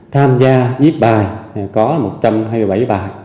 tham gia giết bài có một trăm hai mươi bảy bài